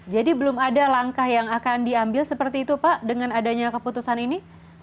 jadi belum ada langkah yang akan diambil seperti itu pak dengan adanya keputusan ini